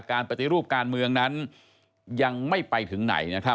การปฏิรูปการเมืองนั้นยังไม่ไปถึงไหน